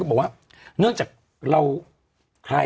คุณบริษัทบริษัทบริษัทบริษัท